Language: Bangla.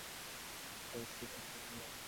নাম শশীর মনে ছিল না, এখন দেখা গেল শশীর সে চেনা।